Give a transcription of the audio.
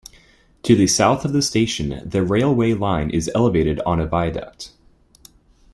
To the south of the station, the railway line is elevated on a viaduct.